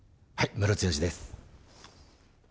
ムロツヨシです。